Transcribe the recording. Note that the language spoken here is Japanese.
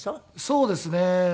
そうですね。